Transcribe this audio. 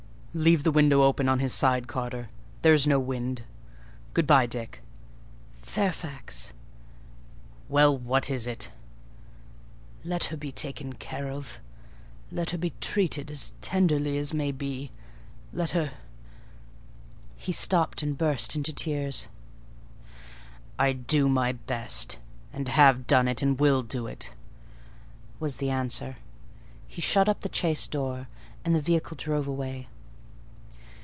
"Leave the window open on his side, Carter; there is no wind—good bye, Dick." "Fairfax—" "Well what is it?" "Let her be taken care of; let her be treated as tenderly as may be: let her—" he stopped and burst into tears. "I do my best; and have done it, and will do it," was the answer: he shut up the chaise door, and the vehicle drove away.